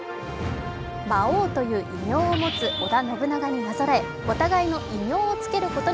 魔王という異名を持つ織田信長になぞらえお互いの異名をつけることに。